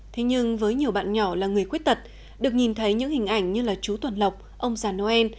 thế nhưng với nhiều bạn nhỏ là người khuyết tật được nhìn thấy những hình ảnh như là chú tuần lộc ông già noel